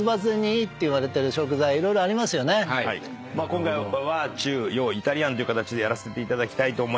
今回和・中・洋・イタリアンという形でやらせていただきたいと思います。